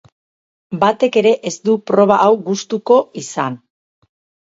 Batek ere ez du proba hau gustuko izan.